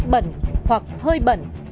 bẩn hoặc hơi bẩn